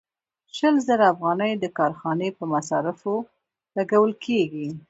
شل زره افغانۍ د کارخانې په مصارفو لګول کېږي